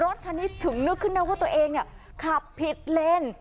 รถคันนี้ถึงนึกขึ้นนะว่าตัวเองเนี่ยขับผิดเลน